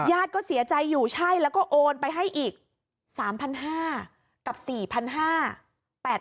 ก็เสียใจอยู่ใช่แล้วก็โอนไปให้อีก๓๕๐๐กับ๔๕๐๐บาท